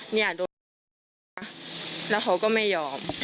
เนี่ยโดนแล้วเขาก็ไม่ยอม